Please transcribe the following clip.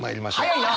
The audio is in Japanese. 早いな！